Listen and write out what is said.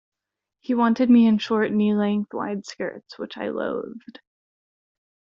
He wanted me in short knee-length wide skirts, which I loathed.